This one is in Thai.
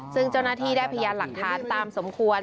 ซึ่งเจ้าหน้าที่ได้พยานหลักฐานตามสมควร